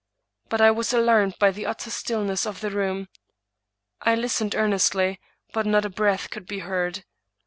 But I was alarmed by the utter stillness of the room. I listened ear nestly, but not a breath could be heard.